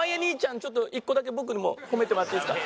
ちょっと１個だけ僕にもホメてもらっていいですか？